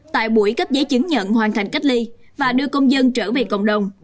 tại buổi cấp giấy chứng nhận hoàn thành cách ly và đưa công dân trở về cộng đồng